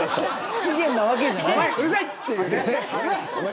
不機嫌なわけじゃないですよね。